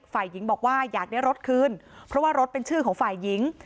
ฝ่ายหญิงบอกว่าอยากได้รถคืนเพราะว่ารถเป็นชื่อของฝ่ายหญิง